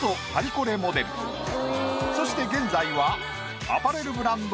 そして現在は。